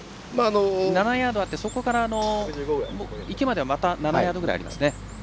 ７ヤードあってそこから池まではまた７ヤードぐらいありますね。